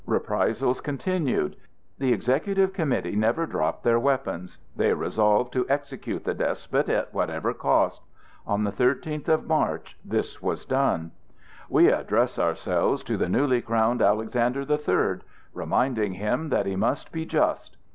Reprisals continued. The Executive Committee never drop their weapons. They resolved to execute the despot at whatever cost. On the thirteenth of March this was done. "We address ourselves to the newly crowned Alexander the Third, reminding him that he must be just.